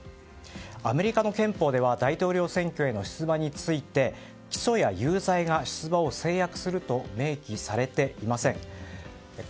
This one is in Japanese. アメリカの憲法では大統領選挙への出馬について起訴や有罪が出馬を制約すると明記されていません。